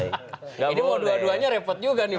ini dua duanya repot juga nih